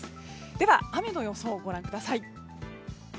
では、雨の予想をご覧ください。